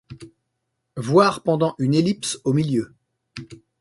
Voire pendant une ellipse au milieu.